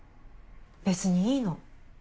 別にいいの。